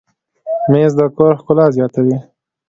مېز د کور ښکلا زیاتوي.